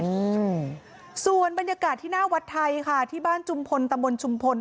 อืมส่วนบรรยากาศที่หน้าวัดไทยค่ะที่บ้านจุมพลตำบลชุมพล